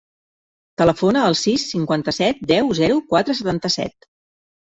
Telefona al sis, cinquanta-set, deu, zero, quatre, setanta-set.